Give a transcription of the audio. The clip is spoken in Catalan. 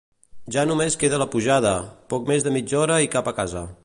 Ja només queda la pujada, poc més de mitja hora i cap a casa.